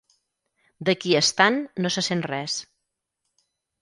D'aquí estant no se sent res.